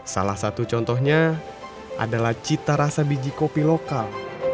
salah satu contohnya adalah cita rasa biji kopi lokal